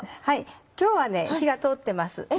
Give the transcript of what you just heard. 今日は火が通ってます。